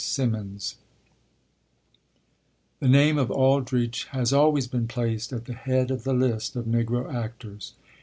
SIMMONS The name of Aldridge has always been placed at the head of the list of Negro actors.